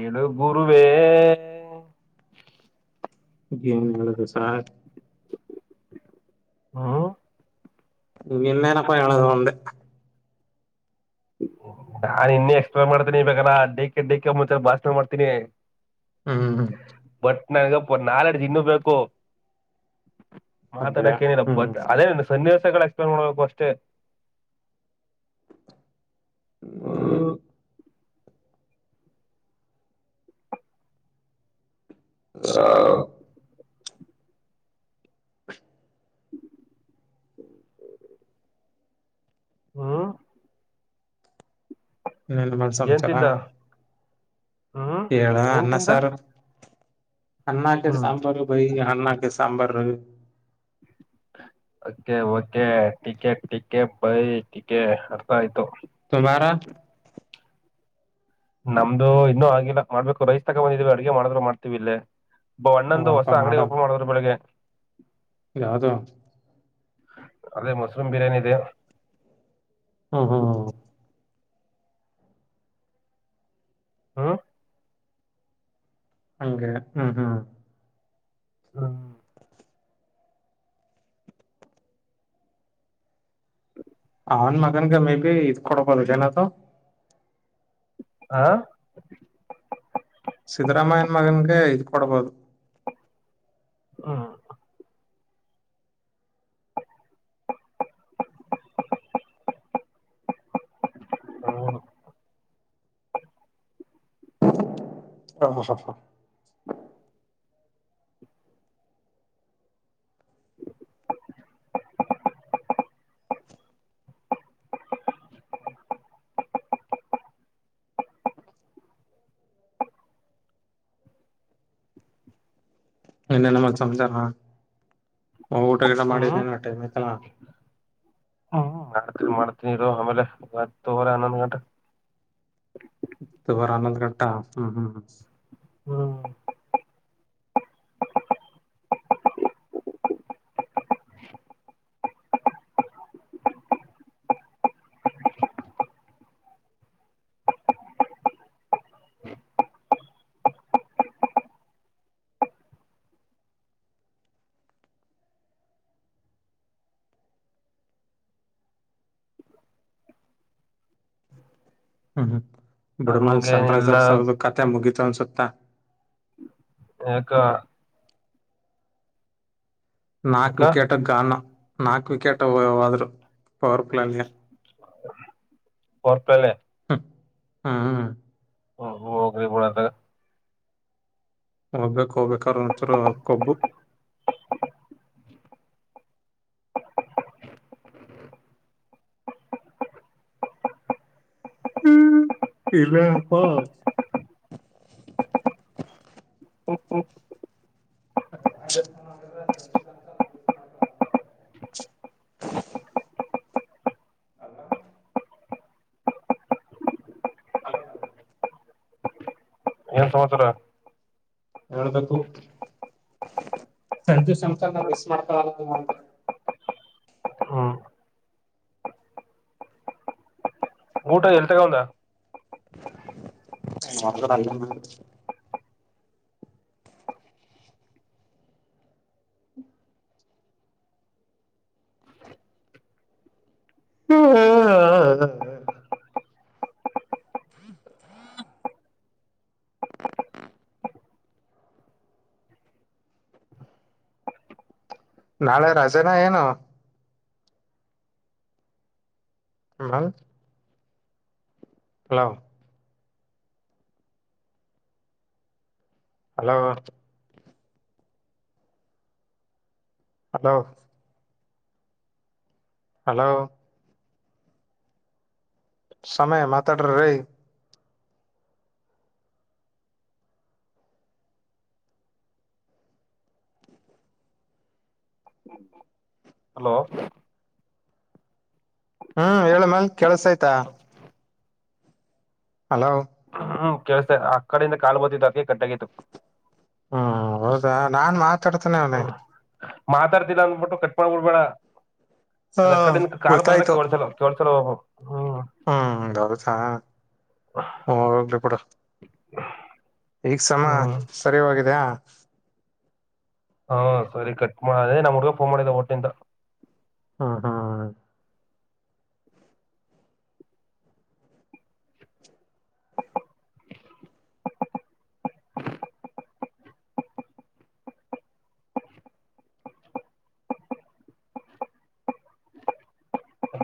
ಏನು ಗುರುವೆ ಏನ್ ಹೇಳುದು ಸಾರ್ ಹಾ ಇ ಇಿಂದೇನೆ ಪಯಳ ಅದೇ ನಾನ್ ಇನ್ನೆ ಎಕ್ಸ್ಪ್ರಾ ಮಾಡ್ತೇನಿ ಇಾಗಲ್ಲ ಡೇಕಿ ಡೇಕ ಮುಂಚ ಭಾಷಣ ಮಾಡ್ತನಿ ಹ್ಮ್ ಬಟ್ ನನ್ಗಪ್ಪ ನಾಲ್ೆಡ್್ದ ಇನ್ನುೂ ಬು ಹಂಗ ಮಾತಾಡಕ್ ನಿಲ್ಲ ಹ್ಮ್ ಬಟ್ ಅದೇ ಸನ್ನಿವೇಶಗಳ ಎಕ್ಸ್ಪ್ಲೇನ್ ಮಾಡ್ಬೇಕು ಅಷ್ಟೇ ಹ ಸ ಹಾ ಹ ಏನ್ ಸಂಸರ ತಿಂದ ಹ್ಮ್ ಹೇಳ ಏನ್ ಅನ್ನ ತಿಂದ ಸಾರ್ ಅನ್ನ ಕೆ ಹ್ಮ್ ಸಾಂಬರ್ ಭ ಹನ್ನ ಕೆ ಸಾಂಬರ ಹ ಅಕೆ ಕೆ ಟಿಕೆಟ್ ಟಿಕೆ ಬೈ ಟಿಕೆ ಅರ್ಥ ಆಯ್ತು ತುಾರಾ ನಮ್ದು ಇನ್ನೂ ಆಗಿಲ್ಲ ಮಾಡ್ಬೇಕು ರೈಸ್ ತಗೊ ಬಂದಿದವಿ ಅಡಗೆ ಮಾಡಿದ್ ಮಾಡ್ತತಿವಿ ಇಲ್ಲೇ ಬ ಒಣ್ಣೊಂದು ಅಪ್ಪ ಹೊಸ ಅಂಗಡಿ ಓಪನ್ ಮಾಡುದ್ರು ಬೆಳಿಗ್ಗೆ ಯಾವದು ಅದೇ ಮಸ್ರೂಮ್ ಬಿರಿಯಾನಿ ಇದೆ ಹಾ ಹಾ ಹ್ಮ ಹಂಗ ಹ್ಮ್ ಹ್ಮ್ ಹ್ಮ ಹನ್ ಮಗನ್ಗೆ ಮೇ ಬಿ ಇದು ಕಡೋಪಲುಜನ ಹಾ ಸಿದ್ದರಾಮಯ್ಯ ಮಗನ್ಗೆ ಇದ ಕೊಡ್ಬಹದು ಹಾ ಹ್ಮ ಹ ಹ ಹ ಹಾ ಇಏನ್ನೇನ ಮ ಸಂಚಾರ ಊಟ ಗಿಡ ಹ್ಮ್ ಮಾಡಿನೇನ ಟೈಮ್ ಐತನ ಮಾಡ್ತೀನಿರು ಆಮೇಲೆ ಹತ್ತುುವರೆ ಹನ್ನೊಂದ್ ಗಂಟೆ ಬರ ಆನಂದ ಕಟಾ ಹ್ಮ್ ಹ್ಮ್ ಹ್ಮ್ ಹ್ಮ್ ಬುಡಮಲ್ ಸನ್ ಹಂಗೇನಿಲ್ಲ ರೈಸರ್ಸ್ ಅವ್ರ್ದ ಕತೆೆ ಮುಗೀತ ಅನ್ಸುತ್ತಾ ಆಕ್ಕ ನಾಕ್ ಯಾಕ ವಿಕೆಟ್ ಗಾನ ನಾಕು ವಿಕೆಟ್ಾದ್ರು ಪವರ್ಫುಲ್ ಅಲ್ಲಿಯ ಬರ್ಪಾಲ ಹ ಹಾ ಹ ಹೋಗ್ರಿ ಬಿಡಂತಾಗ ಒೋಗ್ಬಬೇಕು ಹೋಗ್ಬೇಕ್ರ ಒಂತರ ಕೊಬ್ಬು ಹ್ಮ್ ಇಲ್ಲ ಅಪ್ಪಾ ಹ್ಮ್ ಹ್ಮ್ [inaudible] ಪ [inaudible] ಅಲ್ಲ ಹ ಸಮಸರ ಹೇಳ್ಬೇಕು ಸಂತಷ್ಸ ಮಿಸ್ ಮಾಡ್ತ ಹ್ಮ್ ಊಟ ಎಲ್ ತಗಂದ ಮ ಅ ಹಾ ಹ ನಾಳೆ ರಜೇನಾ ಏನು ಭಾ ಹಲೋ ಹಲೋ ಹಲೋ ಹಲೋ ಸಮಯ ಮಾತಾಡ್ರ ರೈ ಹ್ಮ ಹಲೋ ಹ್ಮ್ ಹೇಳ್ಮೇಾಲ ಕೆಲ್ಸ ಆಯ್ತಾ ಹಲೋ ಹೂ ಕೇಳಸ ಆ ಕಡೆಯಿಂದ ಕಾ ಬತ್ತಿದ್ದತ್ತು ಅದಕ್ಕೆ ಗಟ್ಟಾಗಿತ್ತು ಹೂ ಹೌದಾ ನಾನ್ ಮಾತಾಡ್ತೇನೆ ಅವನೆ ಮಾತಾಡ್ತಿಲ್ಲ ಅಂದಬಿಟ್ಟು ಕಟ್ ಮಾಡ್ಬ ಬಿಡ್ಬೇಡ ಹಾ ಅದ ಕಡೆ ಕಾಲ್ ಬಂದ್ರ ಗೊತ್ತಾಯ್ತು ಕೇಳಳ್ಸಲ್ ದೊಡ್ ಹೂ ಹೋಗಲ್ಲಿ ಬಿಡು ಈಗ್ ಸಮ ಹ್ಮ್ ಸರಿ ಹೋಗಿದಿಯ ಹಾ ಸರಿ ಕಟ್ ನಮ್ಮ್ ಹುಗ ಫೋನ್ ಮಾಡಿದ ಟ್ಟಿಂದ ಹ್ಮ ಹಾ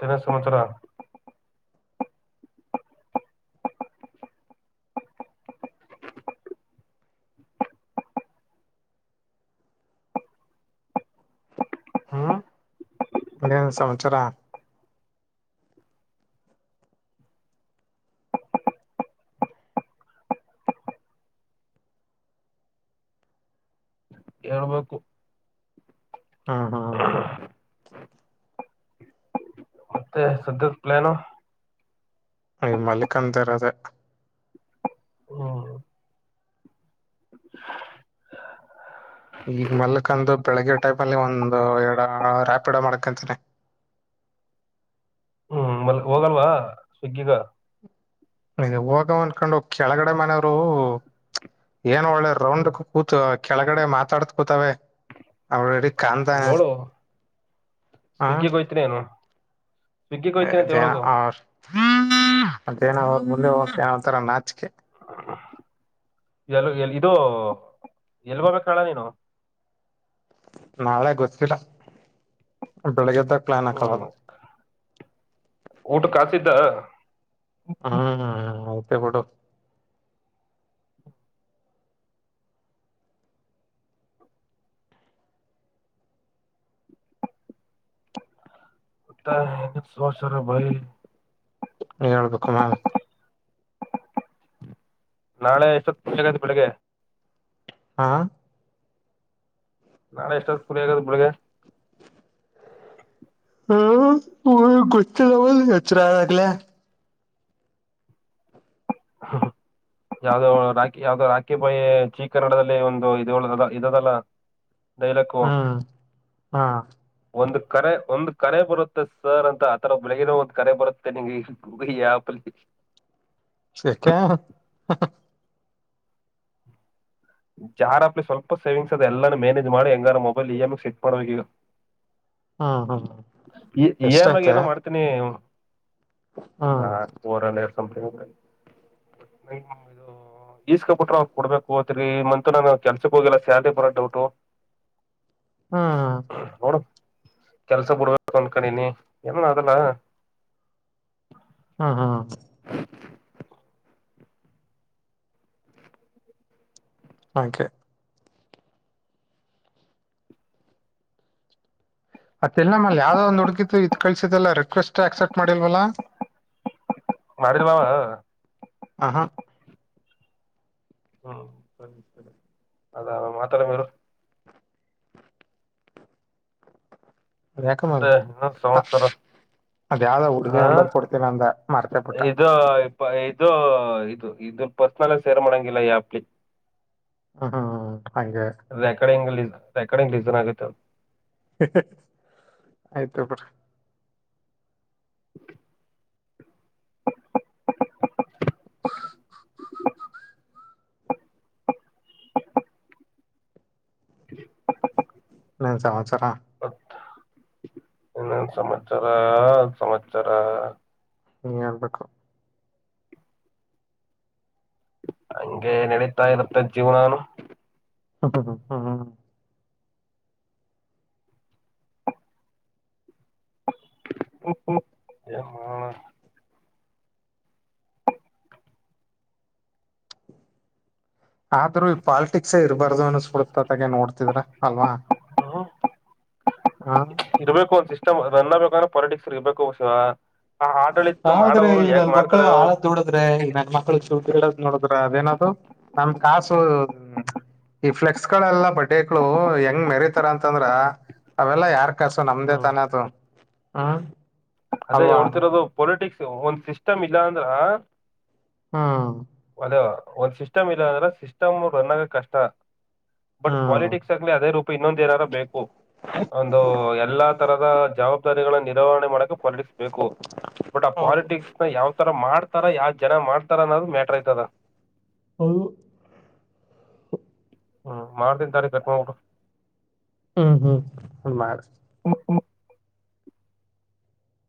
ತನ್ನ ಸಮಚ್ರ ಹ್ಮ್ ನನು ಸಂವಸರ ಹೇಳ್ಬೇಕು ಹಾ ಹಾ ಸತದ ಪ್ಲಾನೋ ಈ ಮಲ್ಲಿಕ್ ಅಂತ ಇರದ ಹ್ಮ್ ಈಗ ಮಲ್ಕಂದು ಬೆಳಿಗ್ಗೆ ಟೈಮ ಅಲ್ಲಿ ಒಂದು ಎಡ ರ್ಯಾಪಿಡ ಮಾಡ್ಕಂತನೆ ಹ್ಮ್ ಮಲ್ ಹೋಗಲ್ವಾ ಸಿಗ್ಗಗ ಇದು ಹೋಗ ಅಂದಕೊಂಡು ಕೆಳಗಡೆ ಮನೆಯವ್ರು ಏನ್ ಒಳ್ಳೆ ರೌಂಡ್ ಹ್ಮ್ ಕೂತ ಕೆಳಗಡೆ ಮಾತಾಡತ್ ಕೂತವೆ ಅವಳಡಿ ಕಂತ ಸ್ವಿಗ್ಗಿಗೋಗಯ್ತೀನ ಏನು ಸ್ವಿಗ್ಗಿಗೋಗಯತನನೆ ತಗೊಂಡು ಹೋಗು [unintelligible] ಮತ್ತೇಏನ ಮುಂದೆ ಹೋಗ ಏನತರ ನಾಚಿಕೆ ಎಲ್ ಎ ಇದು ಎಲ್ಲಿ ಹೋಗಬೇಕ ಕಣ ನೀನು ನಾಳೆ ಗೊತ್ತಿಲ್ಲ ಬೆಳಿಗ್ಗೆದಾಗ ಪ್ಲಾನ್ ಹಾಕಳೋದು ಊಟ ಕಾಸಿದ್ದ ಹ್ಮ್ ಹ್ಮ್ ಬಿಡು ಸ್ವ ಸರ ಭಯ ನೀ ಹೇಳ್ಬೇಕಮ್ಮ ನಾಳೆ ಎಷ್ಟತ್ತು ಆಗ ಬೆಳಗ್ಗೆ ಹಾ ನಾಳ ಎಷ್ಟ್ಲಿ ಆಗದ ಮುಳಗೆ ಹ್ಮ್ ಗುಷ್ತ ಜವ ಹಚರಾಗಲ ಯಾವ್ದೋ ರಾಖಿ ಯಾವ್ದೋ ರಾಖಿ ಬಾಯಿ ಚೀ ಕನ್ನಡದಲ್ಲಿ ಒಂದು ಇದ ಇದದಲ್ಲಾ ಲಕ್ಕುವ ಹ್ಮ್ ಹಾ ಒಂದ್ ಕರೆ ಒಂದ್ ಕರೆ ಬರುತ್ತೆ ಸರ್ ಅಂತ ಆತರ ಬೆಳಗಿನ ಒಂದ್ ಕರೆ ಬರುತ್ತೆ ನಿಂಗೆ ಹಯ ಪಲ್ಲಿ ಶಕ್ಕ ಜಾರ್ ಅಪ್ಲಿ ಸ್ಲ್ ಸೇವಿಂಗ್ ಅದೆಲ್ಲಾ ಮನೇಜ್ ಮಾಡ ಹೆಂಗಾರ ಮೊಬೈಲ್ ಇ ಎಮ್ ಸೆಟ್ ಮಾಡ್ಬೇಕು ಈಗ ಹಾ ಹಾ ಹ ಈ ಮಾಗ ಏನೋ ಮಾಡ್ತೀನಿ ಹ್ಮ್ ಹ ರ್ ಸಂಥಂಗ್ ಮ ಇದು ಈಸ್ಕೊಪಟಟ್ಟ್ರ್ ಕೊಡ್ಬೇಕು ತ್ರಿ ಮಂತ ನಾ ಕೆಲ್ಸಕ್ ಹೋಗಲ್ಲ ಸ್ಯದೇ ಬರೋ ಡೌಟು [inaudible] ಹ್ಮ ಹ ಬುಡ್ಗೊಂಡ್ ಕಣಿನಿ ಏಮ್ಮ ಅದಲ್ಲ ಹ್ಮ ಹಾ [inaudible] ಕೆ ಅತ್ತ ಇಲ್ಲ ನಮ್ಮ ಅಲ್ಲಿ ಯಾವ್ದ ಒಂದು ಹುಡುಗಿು ಇತ್ ಕಸಿದಲ್ಲ ರಿಕ್ವೆಸ್ಟ್ ಆಕ್ಸೆಪ್ಟ್ ಮಾಡಿಲ್ವಲ್ಲ ಮಾಡಿದವವ ಆಹಾ ಹ್ಮ್ ಸರಿ ಸರಿ ಅದ ಮಾತ್ರರು ಅದ ಯಾಕ ಮದು ಇನ್ನೊಂದ್ ಹ ಸಂವತ್ಸರ ಅದ ಯಾವ್ದ ಹ ಹುಡುಗಿ ನಂಬರ್ ಕೊಡ್ತೀನ ಅಂದ ಮಾರ್ತ ಬಿಿಟ್ಟ ಇದು ಇದು ಇದು ಇ ಪರ್ಸ್ನಲ್ ಸೇರ್ ಮಾಡಂಗಿಲ್ಲ ಯಪ್ಲಿ ಹ್ಮ್ ಹ್ಮ್ ಹಾಗ ರೆಕಾರ್ಡಿಂಗ ಲ ರೆಕಾರ್ಡಿಂಗ್ ಲೀಸನ್ ಆಗುತ್ತೆದು ಆಯ್ತಬ್ರ [inaudible] ನನ್ ಸಂವತ್ಸರ ಇನ್ನೊನ್ ಸಂಸರ ಸಂವಸರ ನೀ ಹೇಳ್ಬೇಕು ಹಂಗೆ ನಡೀತಾ ಇರುತ್ತೆ ಜೀವನಾನು ಹ್ಮ ಹ್ಮ ಹ್ಮ ಹ್ಮ್ ಹ ಆದ್ರೂ ಈ ಪಾಲಲ್ಟಿಕ್ಸೇ ಇರಬಾರ್ದು ಅನಿಸ್ಕಳ್ತ ತಾಗೆ ನೋಡ್ತಿದ್ರ ಅಲ್ವಾ ಹ್ಮ ಹಾ ಇರ್ಬೇಕು ಒಂದ ಸಿಸ್ಟಮ್ ರನ್ ಆಗ್ಬೇಕುಂದ್ರೆ ಪಾಲಿಟಿಕ್ಸ್ ಇರ್ಬೇಕುಷ ಹ ಆಡಳಿತ ಮಾಡೋವ್ರು ಯೇಗ್ ಮಾಡ್ತಾರ ನೋಡದ್ರೆ ಇ ನಾಗ ಮಕ್ಳ ಚೌಟಿ ಹೇಳದ್ ನೋಡುದ್ರ ಅದೇನದು ನಮ ಕಾಸು ಈ ಫ್ಲೆಕ್ಸ್ ಗಳೆಲ್ಲಾ ಬಟ್ಟೆಗಳು ಹೆಂಗ್ ಮೆರತಾರ ಅಂತಂದ್ರ ಅವೆಲ್ಲಾ ಯಾರ್ ಅಕಸು ನಮ್ದೇ ಹ್ಮ್ ತಾನದುು ಹ್ಮ್ ಅದೇ ಅಲ್ವಾ ಹೋಡ್ತಿರೋದು ಪೊಲಿಟಿಕ್ಸ್ ಒಂದ್ ಸಿಸ್ಟಮ್ ಇಲ್ಲ ಅಂದ್ರ ಹಾ ಅದೇ ಒಂದ್ ಸಿಸ್ಟಮ್ ಇಲ್ಲ ಅಂದ್ರೆ ಸಿಸ್ಟಮ್ ರನ್ನಾಗ ಕಷ್ಟ ಬಟ್ ಹ್ಮ್ ಪಾಲಿಟಿಕ್ಸ್ ಲಿ ಅದೇ ರೂಪ ಇನ್ನೊ ನಾರ ಬೇಕು ಒಂದು ಎಲ್ಲಾ ತರದ ಜವಾಬ್ದಾರಿಗಳ ನಿರ್ವಹಣೆ ಮಾಡಕ ಪಾಲಿಟಿಕ್ಸ್ ಬೇಕು ಬಟ್ ಆ ಹೌದು ಪಾಲಿಟಿಕ್ಸ್ ಯಾವ್ರ ಮಾಡ್ತಾರ ಯಾವ್ ಜನ ಮಾಡ್ತಾರ ಅನ್ನೋದು ಮ್ಯಾಟ್ರ ಆಯ್ತದ [unintelligible] [unintelligible] ಮಾಡ್ತಿನಿ [unintelligible] ತಕೊ. ಹ್ಮ್ ಹ್ಮ್ [unintelligible] [unintelligible]